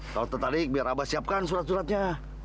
kalau tertarik biar abah siapkan surat suratnya